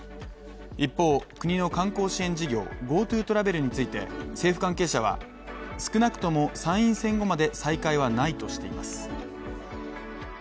一方、国の観光支援事業ＧｏＴｏトラベルについて、政府関係者は少なくとも参院選後まで再開はないとしています。